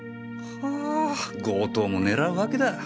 はぁ強盗も狙うわけだ。